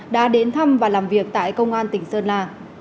đã đến thăm và làm việc tại công an tỉnh sơn la